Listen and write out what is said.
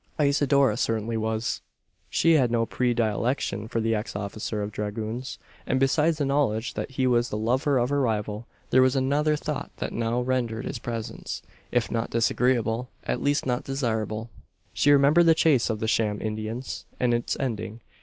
Isidora certainly was. She had no predilection for the ex officer of dragoons; and besides the knowledge that he was the lover of her rival, there was another thought that now rendered his presence, if not disagreeable, at least not desirable. She remembered the chase of the sham Indians, and its ending.